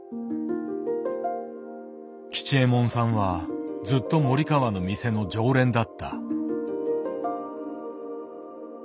吉右衛門さんはずっと森川の店の常連だった。